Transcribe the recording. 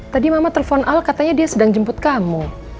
tadi mama telepon al katanya dia sedang jemput kamu